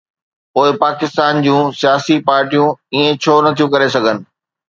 پوءِ پاڪستان جون سياسي پارٽيون ائين ڇو نٿيون ڪري سگهن؟